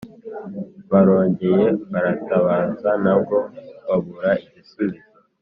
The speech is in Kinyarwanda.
barongeye baratabaza, nabwo babura igisubizo,